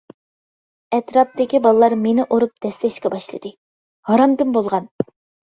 ئەتراپىدىكى بالىلار مېنى ئۇرۇپ-دەسسەشكە باشلىدى:-ھارامدىن بولغان!